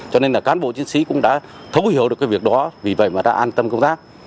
cho nên là cán bộ chiến sĩ cũng đã thấu hiểu được cái việc đó vì vậy mà đã an tâm công tác